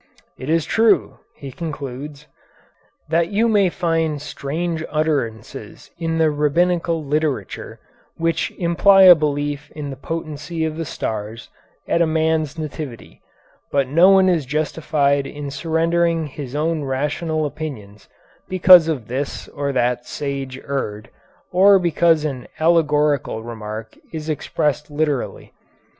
'It is true,' he concludes, 'that you may find strange utterances in the Rabbinical literature which imply a belief in the potency of the stars at a man's nativity, but no one is justified in surrendering his own rational opinions because this or that sage erred, or because an allegorical remark is expressed literally.